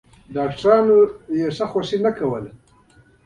په پایله کې د کرېرارا دیکتاتور رژیم رانسکور شو.